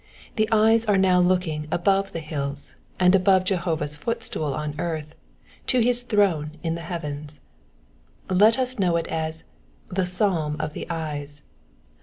The eyes are now looking above the hiUs, and above J^ovaKs footstool on earth, to his throne in tha heavens. Let us know a cw the Psalm of the eyes."